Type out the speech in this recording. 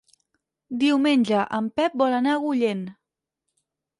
Diumenge en Pep vol anar a Agullent.